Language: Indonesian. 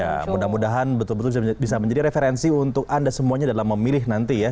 ya mudah mudahan betul betul bisa menjadi referensi untuk anda semuanya dalam memilih nanti ya